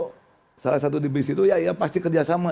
tentu salah satu di bis itu ya iya pasti kerja sama saya itu ya pak